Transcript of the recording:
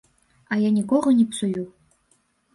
А я нікога не псую.